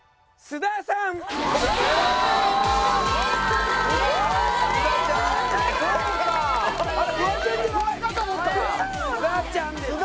須田ちゃんです。